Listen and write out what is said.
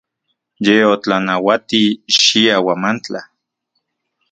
Ye otlanauati xia Huamantla.